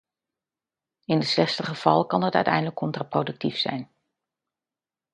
In het slechtste geval kan dat uiteindelijk contraproductief zijn.